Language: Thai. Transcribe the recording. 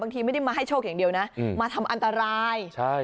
ทีไม่ได้มาให้โชคอย่างเดียวนะมาทำอันตรายใช่